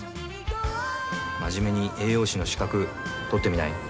真面目に栄養士の資格取ってみない？